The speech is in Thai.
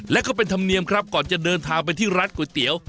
และก็เป็นธรรมเนียมครับก่อนจะเดินทางไปที่ร้านก๋วยเตี๋ยว